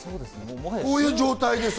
こういう状態でさ。